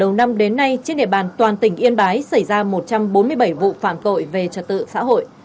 đầu năm đến nay trên địa bàn toàn tỉnh yên bái xảy ra một trăm bốn mươi bảy vụ phạm tội về trật tự xã hội